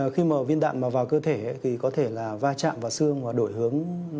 khi mà viên đạn mà vào cơ thể thì có thể là va chạm vào xương và đổi hướng